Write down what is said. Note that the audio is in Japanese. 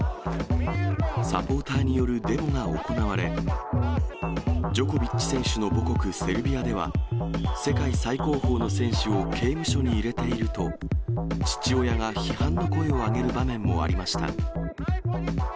サポーターによるデモが行われ、ジョコビッチ選手の母国セルビアでは、世界最高峰の選手を刑務所に入れていると、父親が批判の声を上げる場面もありました。